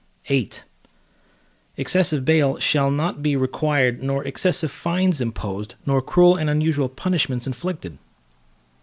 VIII Excessive bail shall not be required nor excessive fines imposed, nor cruel and unusual punishments inflicted.